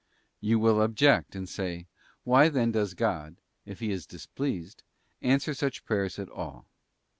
You will object, and say, Why then does God, if He is displeased, answer such prayers at all?